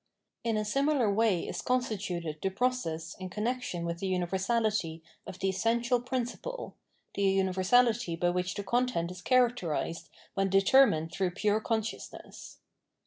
In a similar way is constituted the process in connection with the universahty of the essential principle, the universality by which the content is characterised when determined through pure con sciousness.